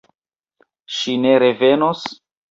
Ŝi ne revenos?